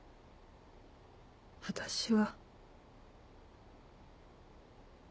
私は。